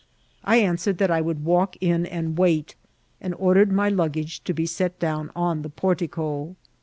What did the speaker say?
I answered that I would walk in and wait, and ordered my luggage to be set down on the portico.